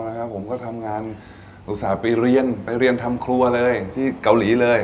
ครับผมก็ทำงานอุตส่าห์ไปเรียนไปเรียนทำครัวเลยที่เกาหลีเลย